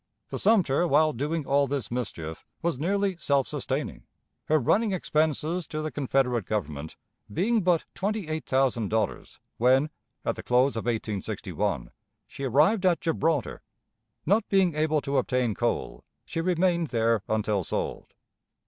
The Sumter, while doing all this mischief, was nearly self sustaining, her running expenses to the Confederate Government being but twenty eight thousand dollars when, at the close of 1861, she arrived at Gibraltar. Not being able to obtain coal, she remained there until sold.